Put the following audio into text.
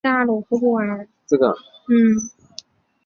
目前服役于俄罗斯海军的北方舰队。